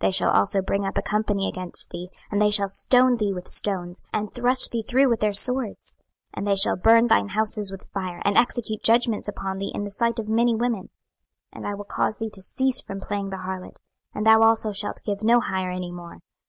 26:016:040 They shall also bring up a company against thee, and they shall stone thee with stones, and thrust thee through with their swords. 26:016:041 And they shall burn thine houses with fire, and execute judgments upon thee in the sight of many women: and I will cause thee to cease from playing the harlot, and thou also shalt give no hire any more.